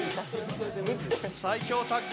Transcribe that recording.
最強タッグ。